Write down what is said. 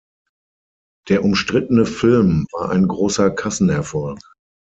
Der umstrittene Film war ein großer Kassenerfolg.